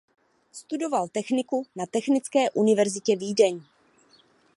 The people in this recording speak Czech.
Studoval techniku na Technické univerzitě Vídeň.